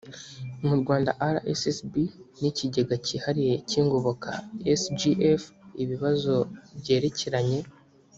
mu rwanda rssb n ikigega cyihariye cy ingoboka sgf ibibazo byerekeranye